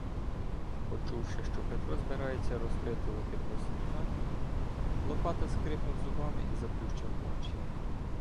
Почувши, що Петро збирається "розпитувати" про синка, Лопата скрипнув зубами і заплющив очі.